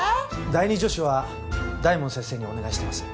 第２助手は大門先生にお願いしてます。